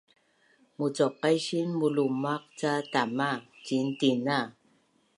Mucuqaisin mulumaq ca tama ciin tina